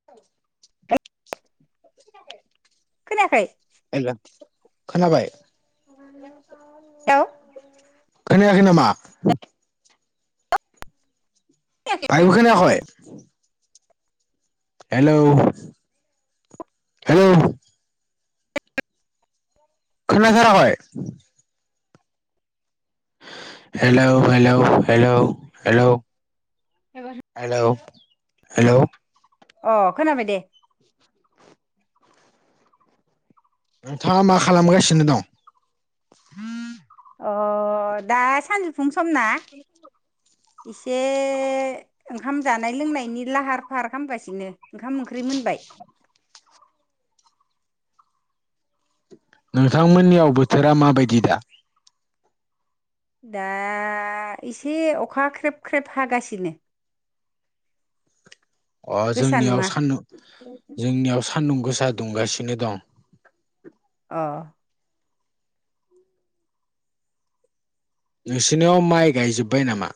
[inaudible] खोनायाखै? आइला खोनाबाय? खोनायाखै नामा [unintelligible] बाहायबो खोनायाखै हेलौ हेलौ खोनाथाराखै hello hello hello hello hello hello अ खोनाबाय दे नोंथाङा मा खालामगासिनो दं अ दा सानजौफुनि सम ना एसे ओंखाम जानाय लोंनायनि लाहार फाहार खालामगासिनो ओंखाम ओंख्रि मोनबाय नोंथांमोननियाव बोथोरा माबायदि दा दा एसे अखा ख्रेब ख्रेब हागासिनो [inaudible] अ गोसा जोंनियाव नङा सानदुं जोंनियाव सानदुं गोसा दुंगासिनो दं अ नोंसिनियाव माइ गायजोब्बाय नामा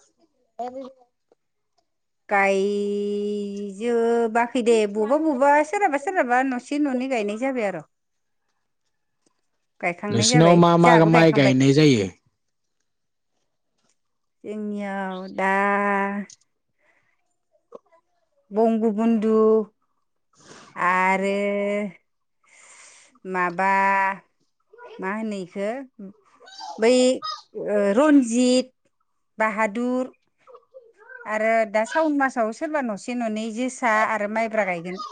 गायजोबोबाखै दे बबेबा बबेबा सोरहाबा सोरहाबा न' से न'नै गायनाय जाबाय आरो गायखांनाय नोंसिनाव जाबाय मा मा जोंहाबो माइ गायखांबाय गायनाय जायो जोंनियाव दा बंग' बुधु आरो माबा मा होनो इखौ बै रन्जित बाहादुर आरो दा सावन मासाव सोरबा न'से न'नै जोसा आरो माइब्रा गायगोन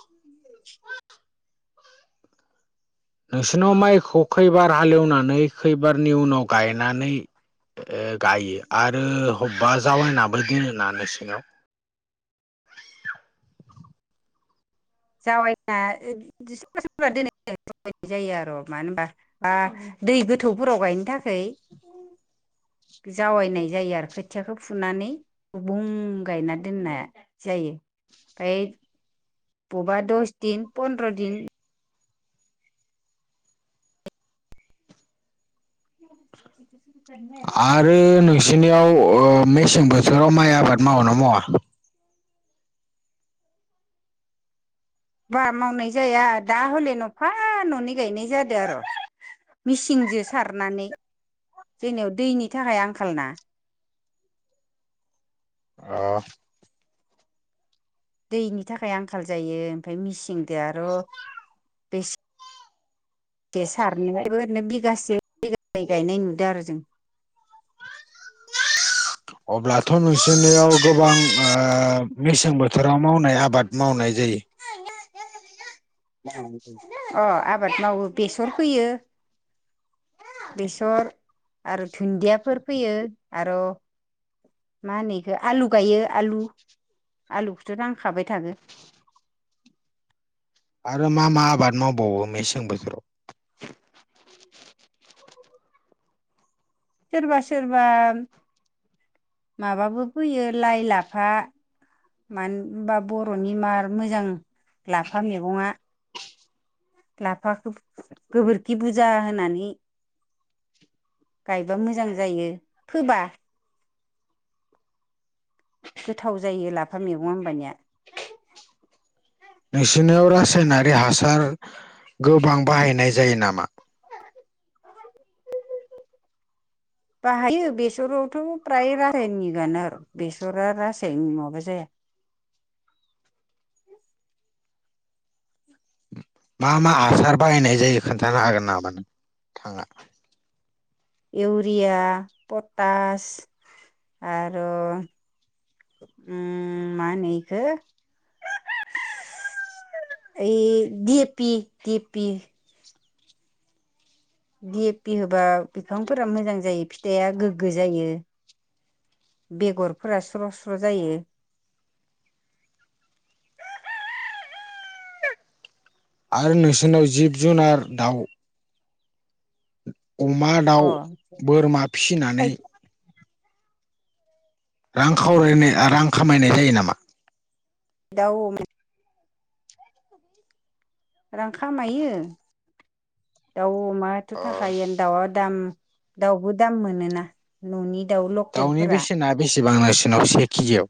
नोंसिोरनाव माइखौ खैबार हालेवनानै खैबारनि उनाव गायनानै गायो आरो बबेबा जावायनाबो दोनोना नोंसिङाव जावायना सोरबा सोरा दोन जनाय जायो आरो [unintelligible] मानो होनबा बा दै गोथौफोराव गायनो थाखाय जावायनाय जायो आरो खोथियाखौ फुनानै गुबुं गायना दोननाया जायो ओइ बबेबा दस दिन पनन्द्र' दिन [unintelligible] आरो नोंसिनियाव मेसें बोथोराव माइ आबाद मावो नामा बा मावनाय जाया दा हले न'फा न'नै गायनाय जादो आरो मिचिनजों सारनानै जोंनियाव दैनि थाखाय आंखाल ना अ दैनि थाखाय आंखाल जायो ओमफ्राय मिचिनजों आरो बेसे ए सारनायहायबो ओरैनो बिगासे बिगानै गायनाय नुदों आरो जों अब्लाथ' नोंसोरनियाव गोबां मेसें बोथोराव मावनाय आबाद मावनाय जायो अ आबाद मावो बेसर फोयो बेसर आरो दुन्दियाफोर फैयो आरो मा होनो बेखौ आलु गायो आलु आलुखौथ' नांखाबाय थागो आरो मा मा आबाद मावबावो मेसें बोथोराव सोरबा सोरबा माबाबो फैयो लाइ लाफा मानो होनबा बर'नि मार मोजां लाफा मैगङा लाफाखौ गोबोरखि बुरजा होनानै गायबा मोजां जायो फोबा गोथाव जायो लाफा मैगं होनबानिया नोंसिरनियाव रासायनारि हासार गोबां बाहायनाय जायो नामा? बाहायो बेसरावथ' फ्राय रासायनि गानो आरो बेसरा रासायनि नङाबा जाया मा मा हासार बाहायनाय जायो खोन्थानो हागोन नामा नोथाङा? इउरिया पटास आरो उम मा होनो बेखो? ओइ D A P D A poppy D A P होबा बिफांफोरा मोजां जायो फिथाइआ गोग्गो जायो। बेगरफोरा स्र' स्र' जायो। आरो नोंसोरनाव जिब जुनार दाउ अमा अ दाउ बोरमा फिसिनानै रां खावरायनाय रां खामायनाय जायो नामा? दाउ [unintelligible] [inaudible] रां खामायो दाउ अमायाथ' थाखायायो दाउआ दाम दाउबो दाम मोनोना न'नि दाउ लख दाउनि बेसेना बेसेबां नोंसिनाव से केिजियाव?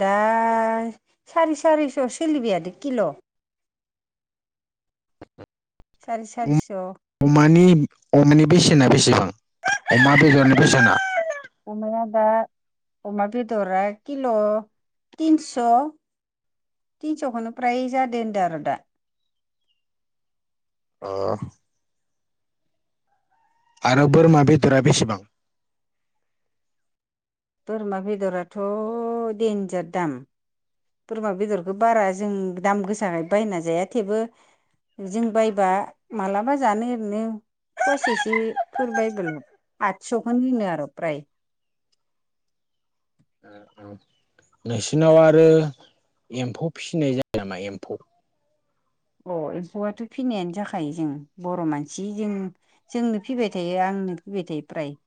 दा सार सारिस' सोलिबायादो किल'। [inaudible] सारि अम- सारिस' अमानि अमानि बेसेना बेसेबां अमा बेदरनि बेसेना? अमाया दा अमा बेदरा किल' तिनस'। थिनस'खौनो फ्राया जादो होनदों आरो दा। अ आरो बोरमा बेदरा बेसेबां? बोरमा बेदराथ' देन्जार दाम। बोरमा बेदरखौ बारा जों दाम गोसाखायनो बायना जाया थेवबो जों बायबा मालाबा जानो ओरैनो फसिसोफोर बाइबेल आदस'खौनो होनो आरो फ्राय। आ आ नोंसिरनाव आरो एम्फौ फिसिनाय जायो नामा एम्फौ? अ एम्फौआथ' फिनायानो जाखायो जों बर' मानसि जों जोंनो फिबाय थायो आंनो फिबाय थायो फ्राय।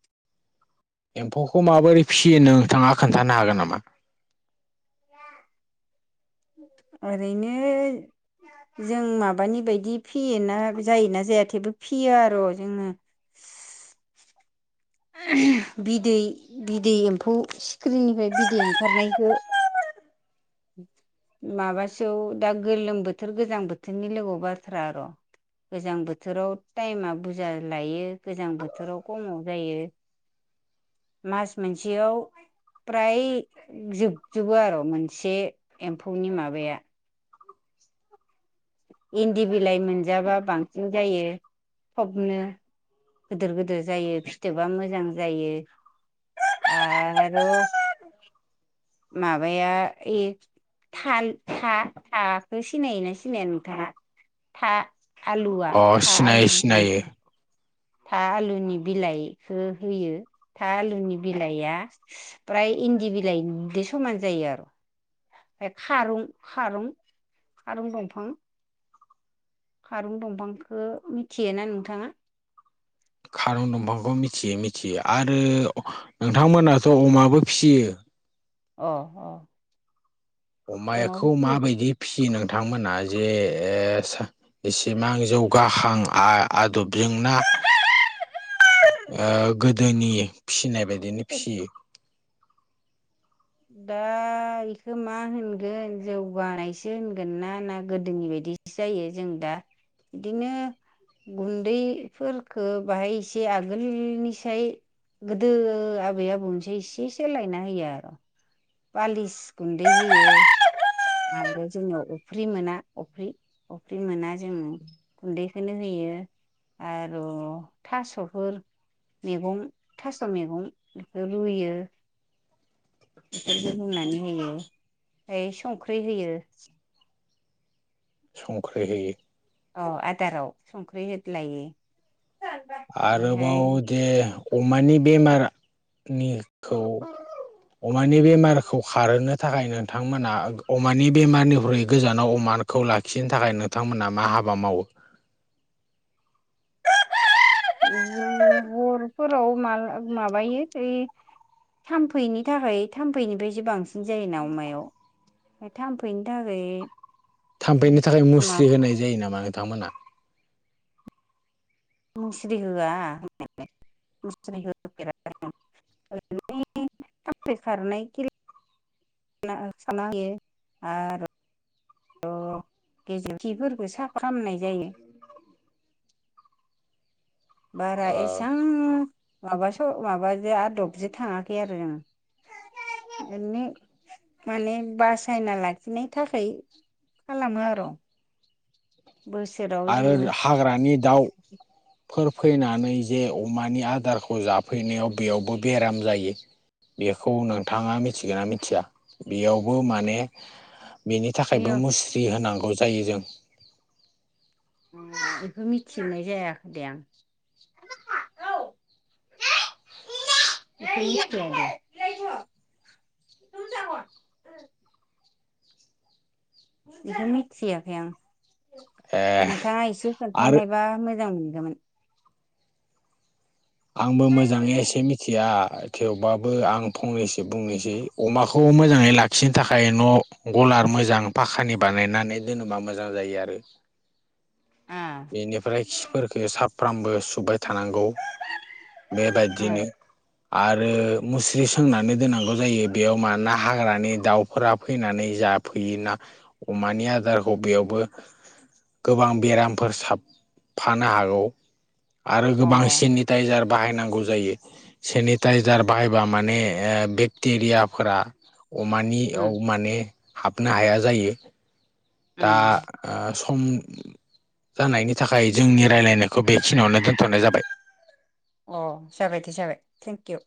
एम्फौखौ माबोरै फिसियोोन नोंथाङा खोन्थानो हागोन नामा? ओरैनो जों माबानि बायदि फियोना जायोना जाया थेबो फियो आर' जोङो। बिदै बिदै एम्फौ सिख्रिरिनिफ्राय बिदै ओंखारनायखौ माबासोयाव दा गोलोम बोथोर गोजां बोथोरनि लोगोआव बाथ्रा आर'। गोजां बोथोराव टाइमा बुरजा लायो गोजां बोथोराव खमाव जायो। [inaudible] मास मोनसेयाव फ्राय जोबजोबो आर' मोन से एम्फौनि माबाया। इन्दि बिलाइ मोनजाब्ला बांसिन जायो थबनो। गिदिर गिदिर जायो फिथोबा मोजां जायो। आरो माबाया इ था था थाखौ सिनायोना सिनाया नोंथाङा था आलुवा अ था सिनायो सिनायो आलुवा था आलुनि बिलाइखौ होयो था आलुनि बिलाइआ फ्राय इन्दि बिलाइजों समान जायो आरो। ओमफ्राय खारुं खारुं खारुं दंफां खारुन दंफांखौ मिथियोना नोंथाङा? खारुन दंफांखौ मिथियो मिथियो आरो नोंथांमोनाथ' अमाबो फियो अ अ अमायाखौ अमाबो माबायदि फियो फिसियो नोंथांमोनहा जे ओ इसेबां जौगाहां आ आदबजोंना ओ गोदोनि फिसिनाय बायदिनो फियो दा इखो मा होनगोन जौगानायसो होनगोन ना ना गोदोनि बायदि बिदि जायो जों दा बिदिनो गुन्दैफोरखो बाहाय इसे आगोलनिसाय गोदो आबै आबौनिसाय इसे सोलायना होयो आरो पालिस गुन्दै होयो आरो जोङो अफ्रि मोना अफ्रि अफ्रि मोना जोङो गुन्दैखौनो होयो आर' थास'फोर मेगं थास' मेगं बेखौ रुयो बेफोरखौ रूनानै होयो ओमफाय संख्रै होयो संख्रै होयो अ आदाराव संख्रै होद्लायो आरोबाव दे अमानि बेमारनिखौ अमानि बेमारखौ खारहोनो थाखाय नोंथांमोना अमानि बेमारनिख्रुइ गोजानाव अमा खौ लाखिनो थाखाय नोंथांमोना मा हाबा मावो? [unintelligible] हरफोराव मा माबायो ऐ थामफैनि थाखाय थामफैनिफायसो बांसिन जायोना अमायाव थाम्फैनि थाखै थाम्फैनि थाखाय मुस्रि होनाय जायो नामा नोंथांमोना? मुस्रि होआ होनायालाय मुस्रि होफेराखै ओरैनो थामफै खारनाय कि [unintelligible] साना होयो आर' र' गेजेर खिफोरखौ साफा खामनाय जायो [inaudible] बारा ओ एसां माबासो माबाजो आदबजो थाङाखै आरो जोङो एरैनो माने बासायना लाखिनायनि थाखाय खालामो आर' बोसोराव आरो जोङो हाग्रानि दाउ फोर फैनानै जे अमानि आदारखौ जाफैनायाव बेयावबो बेराम जायो बेखौ नोंथाङा मिथिगोना मिथिया बेयावबो माने बेनि थाखायबो मिय' मुस्रि होनांगौ जायो जों बेखौ मिथिनाय जायाखै दे आं औ [unintelligible] मिथियाखै आं ए नोंथाङा एसे आरो खोन्थानायबा मोजां मोनगोमोन आंबो मोजाङै एसे मिथिया थेवबाबो आं फंनैसो बुंनोसै अमाखौ मोजाङै लाखिनो थाखाय न' ग'लार मोजां फाखानि बानायनानै दोनोबा मोजां जायो आरो आ बेनिफ्राय खि फोरखो साफ्रामबो सुबाय थानांगौ आ बेबायदिनो आरो मुस्रि सोंनानै दोनांगौ जायो बेयाव मानोना हाग्रानि दाउफोरा फैनानै जा फैयोना अमानि आदारखौ बेयावबो गोबां बेराम फोर साबफानो हागौ आरो अ गोबां सेनि टाइजार बाहायनांगौ जायो सेनिटाइजार बाहायबा माने ओ बेक्टेरियाफोरा उम अमानियाव माने हाबनो हाया जायो दा उम ओ सम जानायनि थाखाय जोंनि रायलायनायखौ बेखिनियावनो दोनथ'नाय जाबाय अ जाबाय दे जाबाय थेंकिउ